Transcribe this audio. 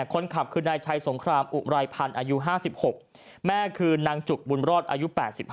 คนขับคือนายชัยสงครามอุไรพันธ์อายุ๕๖แม่คือนางจุกบุญรอดอายุ๘๕